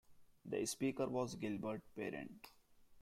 The Speaker was Gilbert Parent.